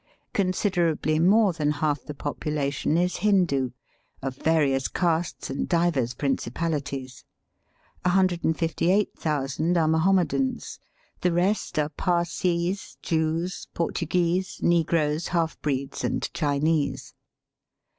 Considerably more than haK the population is Hindoo, of various castes and divers principalities ; 168,000 are Mahom medans ; the rest are Parsees, Jews, Portu guese, negroes, half breeds, and Chinese.